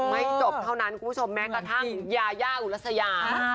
ไม่จบเท่านั้นทั้งยายาอุรสยา